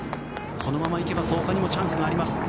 このままいけば創価にもチャンスがあります。